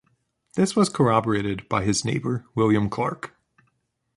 This was corroborated by his neighbour, William Clarke.